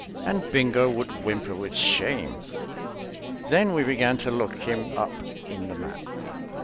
And Bingo would whimper with shame. Then we began to look him up in the map.